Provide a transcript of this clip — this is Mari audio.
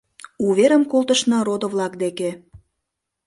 Уверым колтышна родо-влак деке